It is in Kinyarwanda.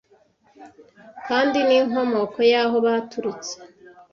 kandi n’inkomoko y’aho baturutse